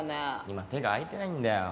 今手が空いてないんだよ。